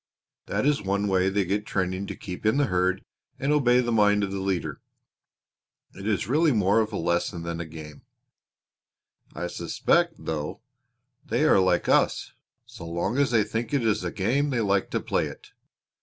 That is one way they get training to keep in the herd and obey the mind of the leader. It is really more of a lesson than a game. I suspect, though, they are like us so long as they think it is a game they like to play it.